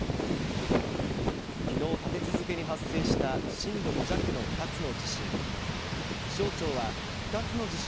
きのう立て続けに発生した震度５弱の２つの地震。